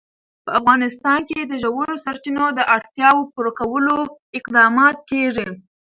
په افغانستان کې د ژورو سرچینو د اړتیاوو پوره کولو اقدامات کېږي.